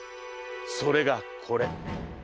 それがこれ。